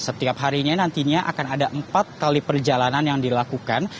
setiap harinya nantinya akan ada empat kali perjalanan yang dilakukan